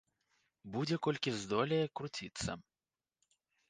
Будзе колькі здолее круціцца.